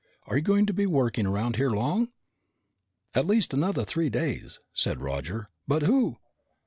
Are you going to be working around here long?" "At least another three days," said Roger. "But who